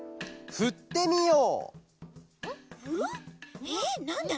「ふってみよう！